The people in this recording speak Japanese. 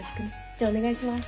じゃあお願いします。